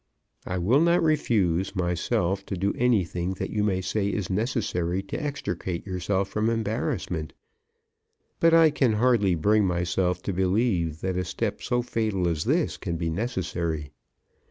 I will not refuse, myself, to do anything that you may say is necessary to extricate yourself from embarrassment; but I ran hardly bring myself to believe that a step so fatal as this can be necessary.